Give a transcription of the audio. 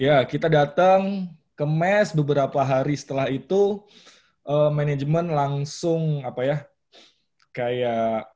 ya kita datang ke mes beberapa hari setelah itu manajemen langsung apa ya kayak